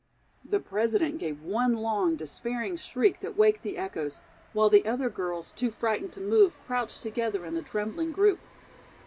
The President gave one long, despairing shriek that waked the echoes, while the other girls, too frightened to move, crouched together in a trembling group.